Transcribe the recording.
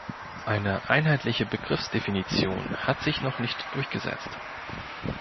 Eine einheitliche Begriffsdefinition hat sich noch nicht durchgesetzt.